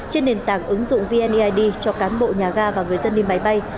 trên nền tảng ứng dụng vneid cho cán bộ nhà ga và người dân đi máy bay